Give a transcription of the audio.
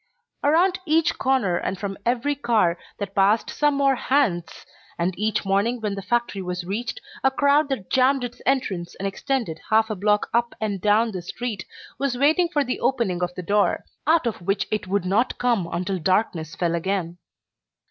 Around each corner and from every car that passed came more "Hands," and each morning when the factory was reached a crowd that jammed its entrance and extended half a block up and down the street was waiting for the opening of the door, out of which it would not come until darkness fell again.